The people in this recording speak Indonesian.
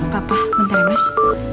papa bentar ya mas